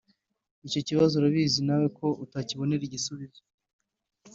Icyo kibazo nawe urabizi ko utakibonera igisubizo